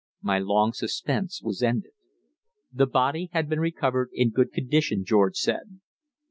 My long suspense was ended. The body had been recovered in good condition, George said.